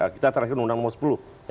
kita terakhir undang undang nomor sepuluh